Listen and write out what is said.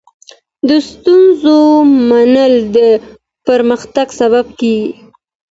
د ستونزو منل د پرمختګ سبب کېږي.